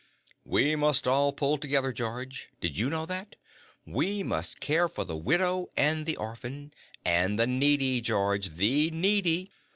We must all pull together, George, did you know that? We must care for the widow and the orphan and the needy, George, the needy.